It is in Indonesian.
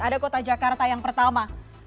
ada kota jakarta yang pertama